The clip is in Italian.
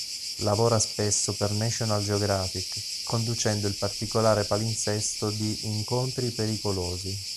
Lavora spesso per National Geographic conducendo il particolare palinsesto di "Incontri pericolosi".